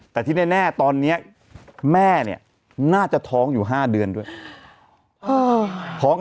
แต่ไปตีลูกตัวเอง